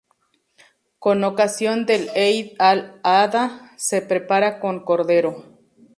Con ocasión del Eid Al-Adha se prepara con cordero.